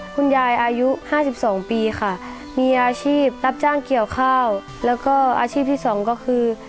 อายุห้าสิบสองปีค่ะมีอาชีพรับจ้างเกี่ยวข้าวแล้วก็อาชีพที่สองก็คือ